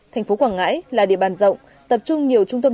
thành phố quảng ngãi là địa bàn rộng tập trung nhiều trộm cắp tài sản